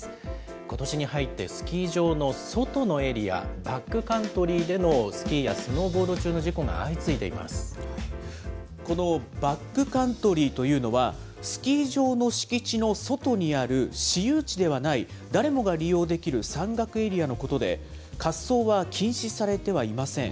ことしに入って、スキー場の外のエリア、バックカントリーでのスキーやスノーボード中の事故が相次いでいこのバックカントリーというのは、スキー場の敷地の外にある、私有地ではない、誰もが利用できる山岳エリアのことで、滑走は禁止されてはいません。